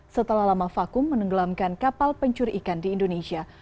setelah lama vakum menenggelamkan kapal pencurikan di indonesia